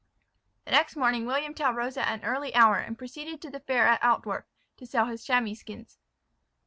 The next morning William Tell rose at an early hour, and proceeded to the fair at Altdorf, to sell his chamois skins.